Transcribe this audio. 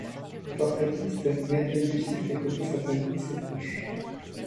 Portraitiste, Mériel-Bussy fait poser sa famille et ses proches.